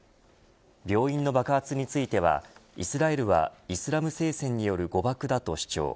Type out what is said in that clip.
病院の爆発についてはイスラエルはイスラム聖戦による誤爆だと主張。